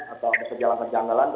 atau kejalanan janggalan